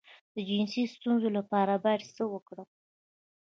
د جنسي ستونزې لپاره باید څه وکړم؟